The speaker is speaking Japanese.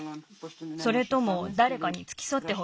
それともだれかにつきそってほしい？